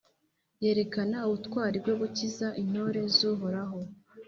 yerekana ubutwari bwo gukiza intore z’Uhoraho,